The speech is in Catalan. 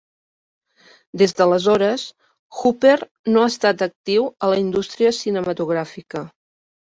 Des d'aleshores, Hooper no ha estat actiu a la indústria cinematogràfica.